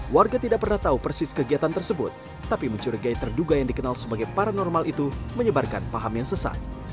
warga tidak pernah tahu persis kegiatan tersebut tapi mencurigai terduga yang dikenal sebagai paranormal itu menyebarkan paham yang sesat